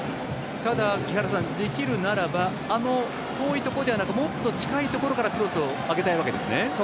ただ、井原さんできるならば遠いところではなくもっと近いところからクロスを上げたいわけですね。